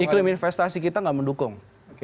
iklim investasi kita tidak mendukung